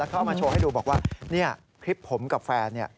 เข้ามาโชว์ให้ดูบอกว่านี่คลิปผมกับแฟน